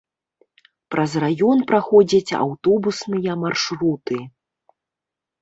Праз раён праходзяць аўтобусныя маршруты.